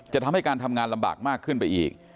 ทำให้การทำงานลำบากมากขึ้นไปอีก